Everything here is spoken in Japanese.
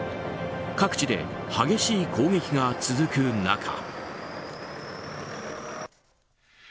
各地で激しい攻撃が続く中。